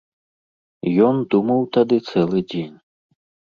Ён думаў тады цэлы дзень.